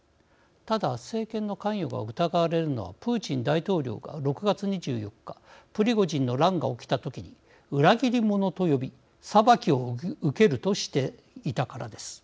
ただ、政権の関与が疑われるのはプーチン大統領が６月２４日プリゴジンの乱が起きた時に裏切り者と呼び裁きを受けるとしていたからです。